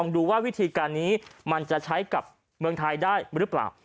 ดูว่าวิธีการนี้มันจะใช้กับเมืองไทยได้หรือเปล่า